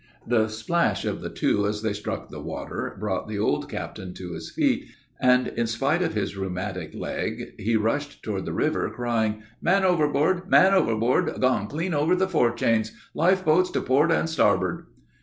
"] "The splash of the two as they struck the water brought the old captain to his feet, and, in spite of his rheumatic leg, he rushed toward the river, crying: "'_Man overboard! Man overboard! Gone clean over the forechains! Life floats to port and starboard!